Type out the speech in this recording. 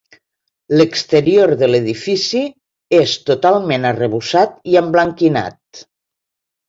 L'exterior de l'edifici és totalment arrebossat i emblanquinat.